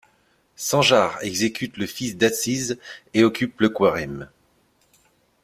Sanjar exécute le fils d'Atsiz et occupe le Khwarezm.